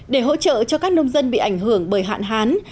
để hỗ trợ cho các nông dân bị ảnh hưởng bởi hạn hán